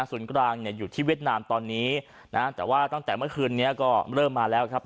กลางเนี่ยอยู่ที่เวียดนามตอนนี้นะแต่ว่าตั้งแต่เมื่อคืนนี้ก็เริ่มมาแล้วครับ